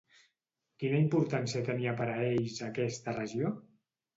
Quina importància tenia per a ells aquesta regió?